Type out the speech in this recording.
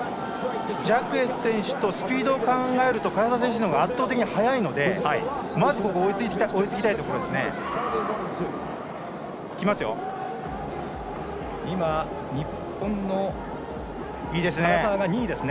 ジャクエス選手とスピードを考えると唐澤選手のほうが圧倒的に速いのでまず追いつきたいところですね。